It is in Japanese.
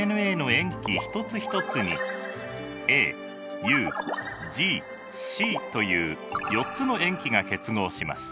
一つ一つにＡＵＧＣという４つの塩基が結合します。